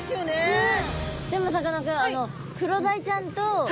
うん。